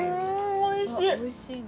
おいしいな。